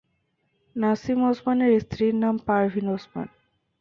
নাসিম ওসমানের স্ত্রীর নাম পারভিন ওসমান।